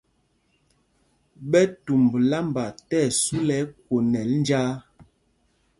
Ɓɛ tumb lámba tí ɛsu lɛ ɛkwonɛl njāā.